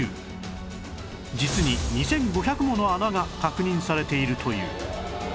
実に２５００もの穴が確認されているという